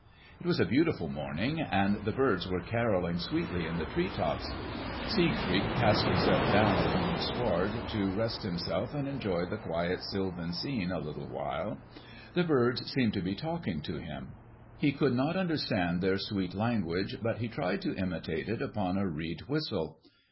It was a beautiful morning, and the birds were carolling sweetly in the tree tops. Siegfried cast himself down upon the sward to rest himself and enjoy the quiet sylvan scene a little while. The birds seemed to be talking to him. He could not understand their sweet language, but he tried to imitate it upon a reed whistle.